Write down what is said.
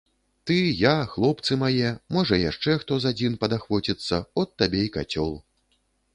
Ты, я, хлопцы мае, можа, яшчэ хто з адзін падахвоціцца, от табе і кацёл.